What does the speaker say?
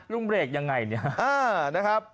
ลุงเลขยังไงนี่